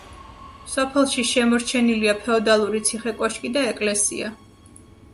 სოფელში შემორჩენილია ფეოდალური ციხე-კოშკი და ეკლესია.